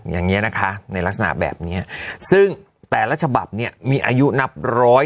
อย่างนี้นะคะในลักษณะแบบนี้ซึ่งแต่ละฉบับเนี่ยมีอายุนับร้อย